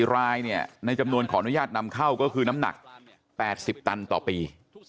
๔รายในจำนวนขออนุญาตนำเข้าก็คือน้ำหนัก๘๐ตันต่อปี